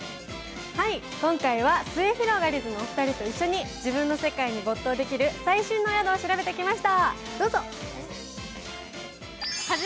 今回はすゑひろがりずのお二人と一緒に自分の世界に没頭できる最新の宿を調べてきました。